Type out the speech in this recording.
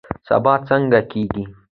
سبا څنګه کیږي؟